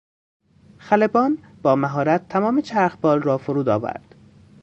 خلبان با مهارت تمام چرخبال را فرود آورد.